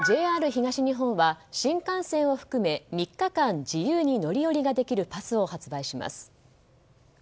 ＪＲ東日本は、新幹線を含め３日間自由に乗り降りができるパスを発売します。